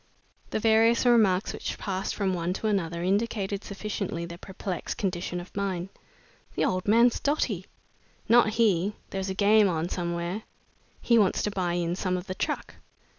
The various remarks which passed from one to another indicated sufficiently their perplexed condition of mind. "The old man's dotty!" "Not he! There's a game on somewhere!" "He wants to buy in some of the truck!"